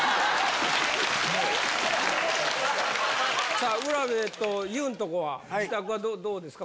さあ卜部とユウんとこは自宅はどうですか？